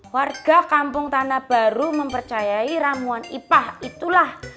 warga kampung tanah baru mempercayai ramuan ipah itulah